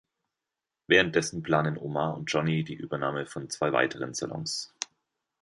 Während dessen planen Omar und Johnny die Übernahme von zwei weiteren Salons.